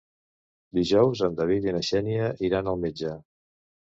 Dijous en David i na Xènia iran al metge.